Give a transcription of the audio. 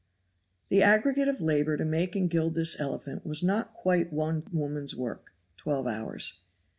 The aggregate of labor to make and gild this elephant was not quite one woman's work (12 hours).